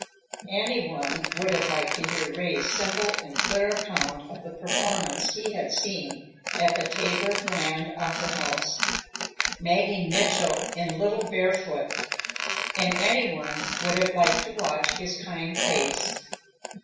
Any one would have liked to hear Ray's simple and clear account of the performance he had seen at the Tabor Grand Opera House—Maggie Mitchell in Little Barefoot—and any one would have liked to watch his kind face.